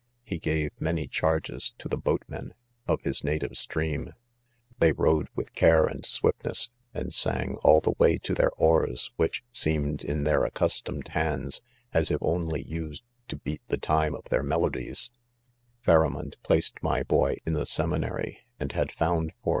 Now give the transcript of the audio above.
He gave many charges;. to the : boat men. of his , native stfeaini f .. They .rowed with ©are and .swiftne ss, and; sang all the way to .their oars, which seem* : eel, in their accustomed hands, , as if only, us^dr to.^beat; the time of their melodies^ : 5 Pharamond .placed, my boy , in the •fiem ina* r y, and ha$ found for.